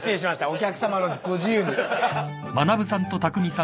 お客さまのご自由に。